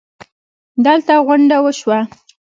دلته غونډه وشوه